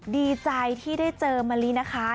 ดีใจที่ได้เจอมะลินะคะ